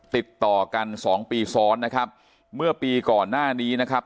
ติดต่อกันสองปีซ้อนนะครับเมื่อปีก่อนหน้านี้นะครับ